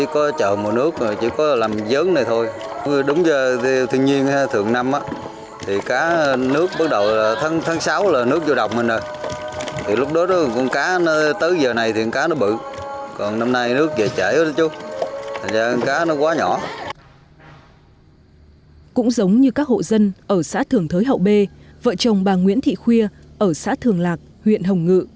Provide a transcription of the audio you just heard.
cũng giống như các hộ dân ở xã thường thới hậu bê vợ chồng bà nguyễn thị khuya ở xã thường lạc huyện hồng ngự